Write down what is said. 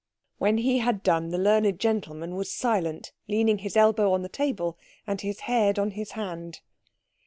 When he had done the learned gentleman was silent, leaning his elbow on the table and his head on his hand.